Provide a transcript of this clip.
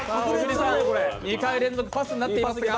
２回連続パスになっていますが？